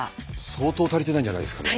相当足りてないんじゃないですかね。